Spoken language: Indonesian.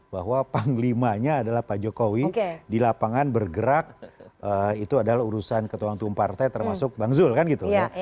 bahwa panglimanya adalah pak jokowi di lapangan bergerak itu adalah urusan ketua umum partai termasuk bang zul kan gitu ya